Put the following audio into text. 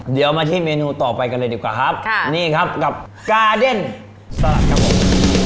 เดี๋ยวมาที่เมนูต่อไปกันเลยดีกว่าครับค่ะนี่ครับกับกาเดนสลัดครับผม